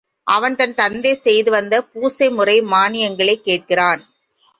அவன் தன் தந்தை செய்து வந்த பூசைமுறை மான்யங்களைக் கேட்கிறான்.